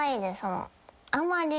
あんまり。